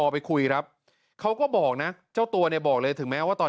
ไปคุยครับเขาก็บอกนะเจ้าตัวเนี่ยบอกเลยถึงแม้ว่าตอน